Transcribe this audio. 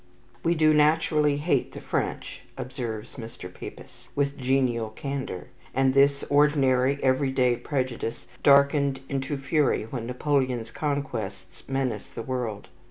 "We do naturally hate the French," observes Mr. Pepys, with genial candour; and this ordinary, everyday prejudice darkened into fury when Napoleon's conquests menaced the world.